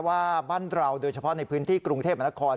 ว่าบ้านเราโดยเฉพาะในพื้นที่กรุงเทพมนาคม